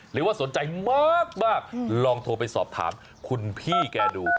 หรือว่าสนใจมากลองโทรไปสอบถามคุณพี่แกดู